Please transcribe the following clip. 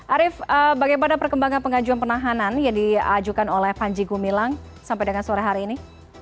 arief bagaimana perkembangan pengajuan penahanan yang diajukan oleh panji gumilang sampai dengan sore hari ini